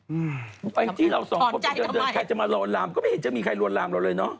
อื้อไอ้ที่เราสองคนเดินแค่จะมารวรรามก็ไม่เห็นจะมีใครรวรรมเราเลยเนาะ